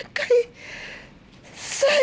jangan lupa dislike